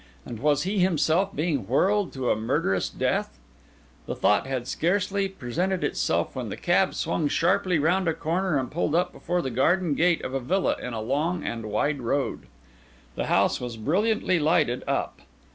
and was he himself being whirled to a murderous death? The thought had scarcely presented itself, when the cab swung sharply round a corner and pulled up before the garden gate of a villa in a long and wide road. The house was brilliantly lighted up.